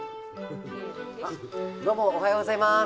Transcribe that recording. どうもおはようございます。